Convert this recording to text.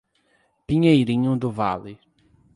Pinheirinho do Vale